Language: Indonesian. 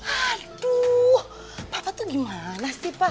aduh papa tuh gimana sih pak